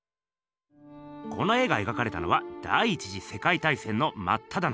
この絵が描かれたのは第１次世界大戦のまっただ中。